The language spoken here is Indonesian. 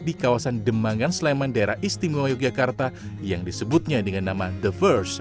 di kawasan demangan sleman daerah istimewa yogyakarta yang disebutnya dengan nama the first